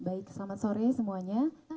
baik selamat sore semuanya